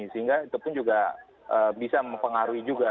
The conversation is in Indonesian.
sehingga itu pun juga bisa mempengaruhi juga